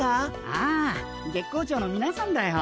ああ月光町のみなさんだよ。